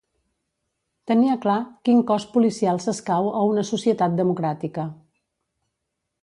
Tenia clar quin cos policial s’escau a una societat democràtica.